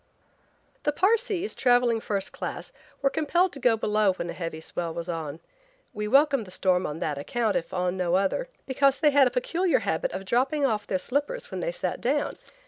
The Parsees, traveling first class, were compelled to go below when a heavy swell was on. We welcomed the storm on that account if on no other, because they had a peculiar habit of dropping off their slippers when they sat down.